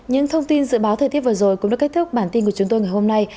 những thông tin dự báo thời tiết vừa rồi cũng đã kết thúc bản tin của chúng tôi ngày hôm nay